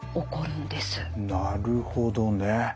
なるほどね。